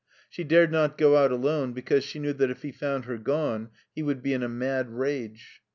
She dared not go out alone because she knew that if he found her gone he would be in a mad rage.